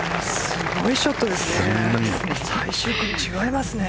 すごいショットですね。